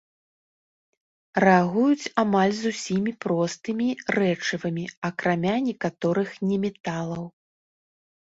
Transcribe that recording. Рэагуюць амаль з усімі простымі рэчывамі, акрамя некаторых неметалаў.